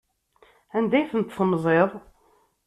Anda ay tent-temziḍ?